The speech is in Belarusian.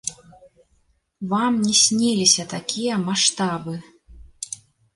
Вам не сніліся такія маштабы.